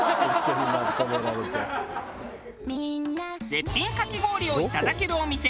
絶品かき氷をいただけるお店